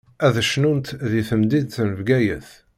Ad cnunt di temdint n Bgayet.